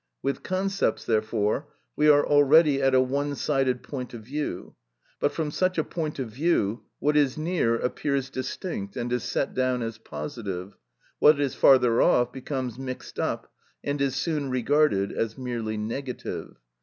With concepts, therefore, we are already at a one sided point of view; but from such a point of view what is near appears distinct and is set down as positive, what is farther off becomes mixed up and is soon regarded as merely negative.